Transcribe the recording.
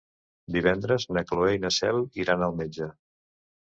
Divendres na Cloè i na Cel iran al metge.